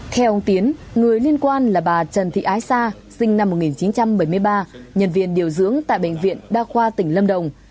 theo ông tiến người liên quan là bà trần thị ái sa sinh năm một nghìn chín trăm bảy mươi ba nhân viên điều dưỡng tại bệnh viện đa khoa tỉnh lâm đồng